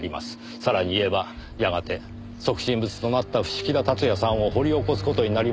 さらに言えばやがて即身仏となった伏木田辰也さんを掘り起こす事になりますねぇ。